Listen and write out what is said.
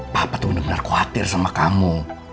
papa tuh bener bener khawatir sama kamu